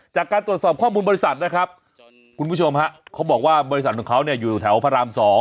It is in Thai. จากการตรวจสอบข้อมูลบริษัทนะครับคุณผู้ชมฮะเขาบอกว่าบริษัทของเขาเนี่ยอยู่แถวพระราม๒